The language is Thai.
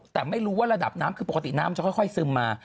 แต่ไม่รู้ว่าระดับน้ำคือปกติน้ำมันจะค่อยซึมมา